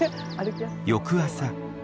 翌朝。